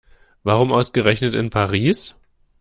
Warum ausgerechnet in Paris?